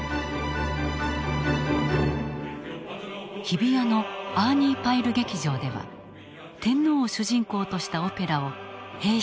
日比谷のアーニー・パイル劇場では天皇を主人公としたオペラを兵士たちが楽しんだ。